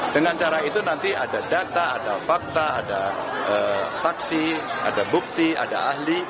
dengan cara itu nanti ada data ada fakta ada saksi ada bukti ada ahli